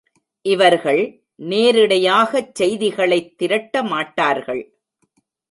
இவர்கள் நேரிடையாகச் செய்திகளைத் திரட்டமாட்டார்கள்.